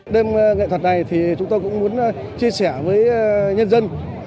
đêm nghệ thuật này thì chúng tôi cũng muốn chia sẻ với nhân dân